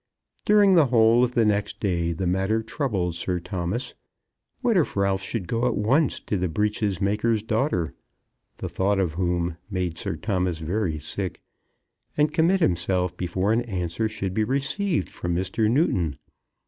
During the whole of the next day the matter troubled Sir Thomas. What if Ralph should go at once to the breeches maker's daughter, the thought of whom made Sir Thomas very sick, and commit himself before an answer should be received from Mr. Newton?